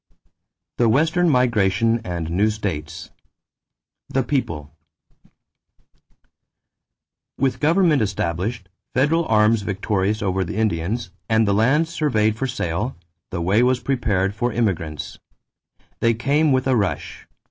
THE WESTERN MIGRATION AND NEW STATES =The People.= With government established, federal arms victorious over the Indians, and the lands surveyed for sale, the way was prepared for the immigrants. They came with a rush.